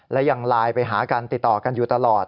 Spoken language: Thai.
และยังไลน์ไปหากันติดต่อกันอยู่ตลอด